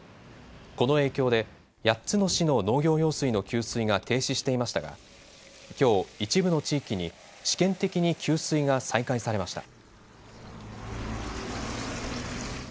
この影響で８つの市の農業用水の給水が停止していましたがきょう一部の地域に試験的に給水が再開されました。